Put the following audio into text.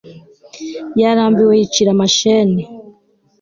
yarambiwe yicira amashene